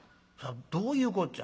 どういうこっちゃ？